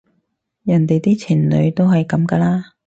人哋啲情侶都係噉㗎啦